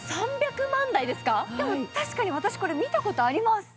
確かに私、これ見たことあります